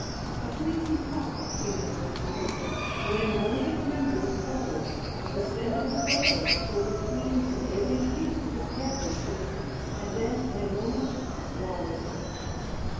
A fleecy flock came into the field; When one of its members followed The scent of the clover, till between Her nibbling teeth its head was seen, And then in a moment swallowed.